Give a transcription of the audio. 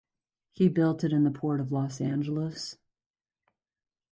He built it in the Port of Los Angeles.